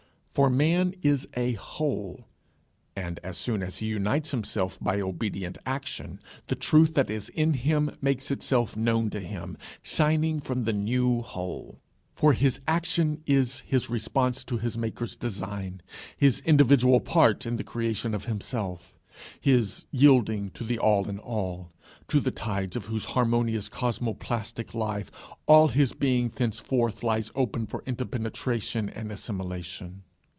For man is a whole; and so soon as he unites himself by obedient action, the truth that is in him makes itself known to him, shining from the new whole. For his action is his response to his maker's design, his individual part in the creation of himself, his yielding to the All in all, to the tides of whose harmonious cosmoplastic life all his being thenceforward lies open for interpenetration and assimilation.